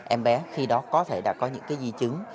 em bé khi đó có thể đã có những cái di chứng